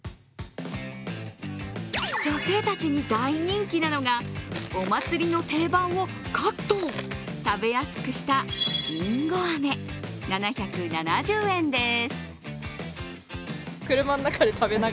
女性たちに大人気なのがお祭りの定番をカット、食べやすくした、りんごあめ７７０円です。